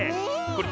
これ。